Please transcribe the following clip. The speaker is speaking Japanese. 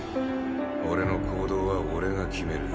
俺の行動は俺が決める。